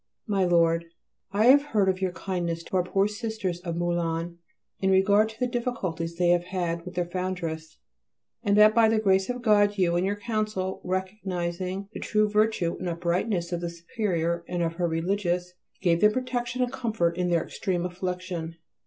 MY LORD, I have heard of your kindness to our poor Sisters of Moulins in regard to the difficulties they have had with their Foundress, and that by the grace of God you and your Council, recognizing the true virtue and uprightness of the Superior and of her Religious, gave them protection and comfort in their extreme affliction.